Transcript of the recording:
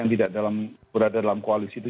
yang tidak berada dalam koalisi itu